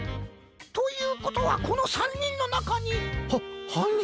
ということはこの３にんのなかに。ははんにんが？